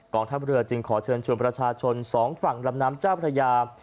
กลองท่ามเรือจึงขอเชิญชวนประชาชน๒ฝั่งรำน้ำจ้าประยา